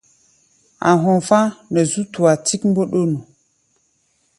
A̧ hɔfá̧ nɛ zú tua tík mbɔ́ɗɔ́nu.